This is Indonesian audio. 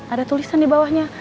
ada tulisan di bawahnya